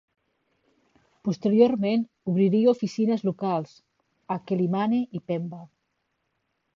Posteriorment obriria oficines locals a Quelimane i Pemba.